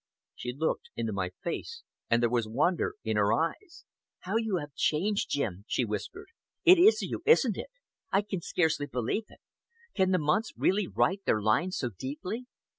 She looked into my face, and there was wonder in her eyes. "How you have changed, Jim," she whispered. "It is you, isn't it? I can scarcely believe it. Can the months really write their lines so deeply?"